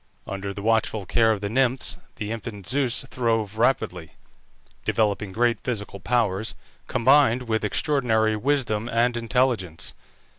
Under the watchful care of the Nymphs the infant Zeus throve rapidly, developing great physical powers, combined with extraordinary wisdom and intelligence.